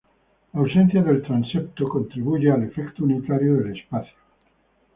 La ausencia del transepto contribuye al efecto unitario del espacio.